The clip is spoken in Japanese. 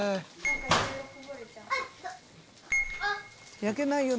焼けないよね